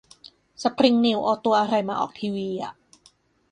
สปริงนิวส์เอาตัวอะไรมาออกทีวีอ่ะ